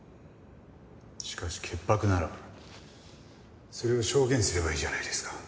しかし潔白ならそれを証言すればいいじゃないですか。